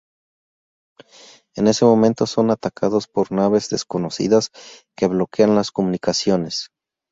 En ese momento son atacados por naves desconocidas que bloquean las comunicaciones.